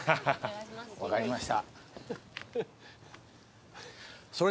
分かりました。